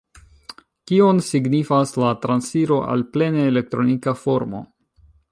Kion signifas la transiro al plene elektronika formo?